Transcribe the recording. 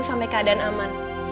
sampai keadaan aman